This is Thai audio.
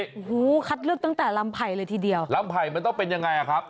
โอ้โหคัดเลือกตั้งแต่ลำไผ่เลยทีเดียวลำไผ่มันต้องเป็นยังไงอ่ะครับ